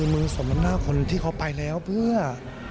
มือสมมติหน้าคนที่เขาไปแล้วเพื่อ